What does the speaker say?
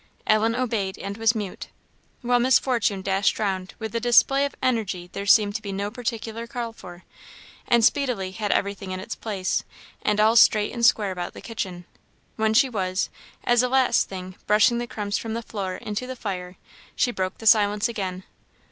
Ellen obeyed, and was mute; while Miss Fortune dashed round with a display of energy there seemed to be no particular call for, and speedily had everything in its place, and all straight and square about the kitchen. When she was, as a last thing, brushing the crumbs from the floor into the fire, she broke the silence again.